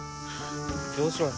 どうします？